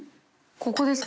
ここですか？